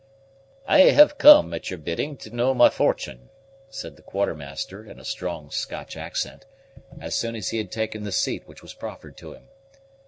"I have come sir, at your bidding, to know my fortune," said the Quartermaster, in a strong Scotch accent, as soon as he had taken the seat which was proffered to him.